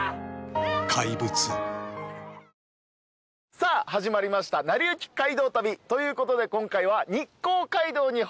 さあ始まりました『なりゆき街道旅』ということで今回は。